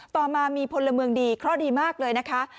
ต่อมามีพลเมืองดีเคราะห์ดีมากเลยนะคะ